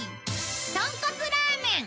とんこつラーメン。